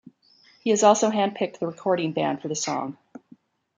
He also hand-picked the recording band for the song.